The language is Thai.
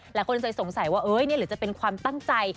หลายคนจะสงสัยว่านี่หรือจะเป็นความตั้งใจ